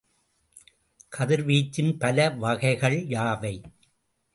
கதிர்வீச்சின் பல வகைகள் யாவை?